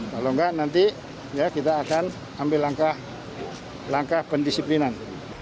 kalau enggak nanti kita akan ambil langkah pendisiplinan